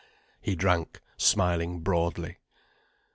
He drank, smiling broadly.